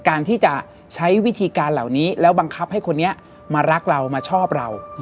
การที่จะใช้วิธีการเหล่านี้แล้วบังคับให้คนนี้มารักเรามาชอบเรา